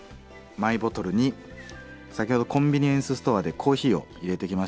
マイボトルに先ほどコンビニエンスストアでコーヒーを入れてきましたんで。